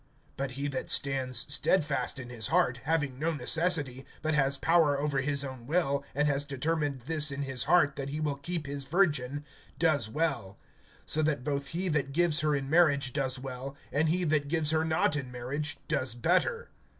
(37)But he that stands steadfast in his heart, having no necessity, but has power over his own will, and has determined this in his heart that he will keep his virgin, does well. (38)So that both he that gives her in marriage does well, and he that gives her not in marriage does better.